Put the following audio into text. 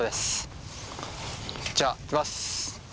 じゃあ行きます。